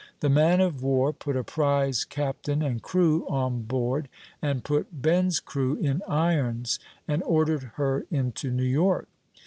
The man of war put a prize captain and crew on board, and put Ben's crew in irons, and ordered her into New York.